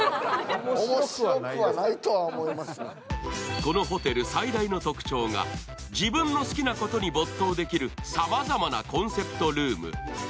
このホテル、最大の特徴が自分の好きなことに没頭できるさまざまなコンセプトルーム。